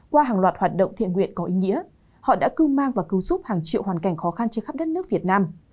qua hàng loạt hoạt động thiện nguyện có ý nghĩa họ đã cưu mang và cứu giúp hàng triệu hoàn cảnh khó khăn trên khắp đất nước việt nam